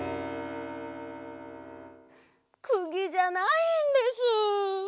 くぎじゃないんです。